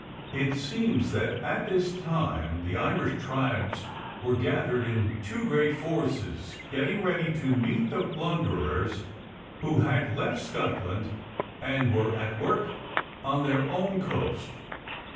It seems that at this time the Irish tribes were gathered in two great forces getting ready to meet the plunderers who had left Scotland and were at work on their own coast.